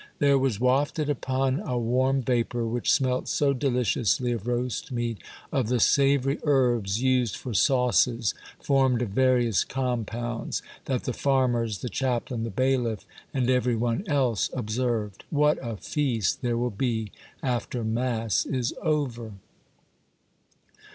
There was wafted upward a warm vapor which smelt so deliciously of roast meat, of the savory herbs used for sauces formed of various compounds, that the farmers, the chaplain, the bailiff, and every one else observed :" What a feast there will be after mass is over